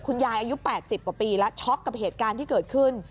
อายุ๘๐กว่าปีแล้วช็อกกับเหตุการณ์ที่เกิดขึ้น